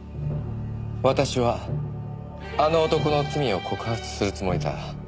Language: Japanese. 「私はあの男の罪を告発するつもりだ」